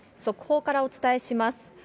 速報からお伝えします。